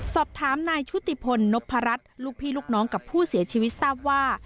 สอบถามนายชุติพลนพรัชลูกพี่ลูกน้องกับผู้เสียชีวิตทราบว่า